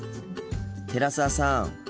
寺澤さん